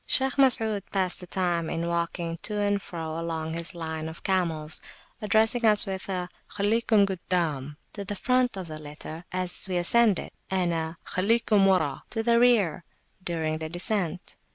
Shaykh Masud passed the time in walking to and fro along his line of camels, addressing us with a Khallikum guddam, to the front (of the litter)! as we ascended, and a Khallikum wara, to the rear! during the descent.